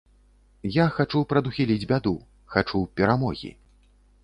Я хачу прадухіліць бяду, хачу перамогі.